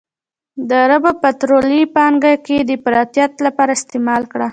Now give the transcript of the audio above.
د عربو پطرولي پانګه یې د افراطیت لپاره استعمال کړه.